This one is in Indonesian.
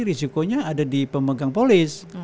risikonya ada di pemegang polis